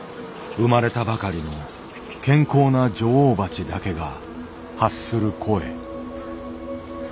生まれたばかりの健康な女王蜂だけが発する声。